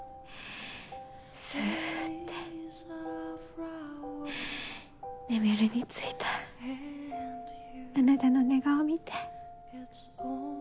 すって眠りについたあなたの寝顔見て。